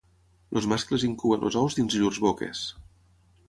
Els mascles incuben els ous dins llurs boques.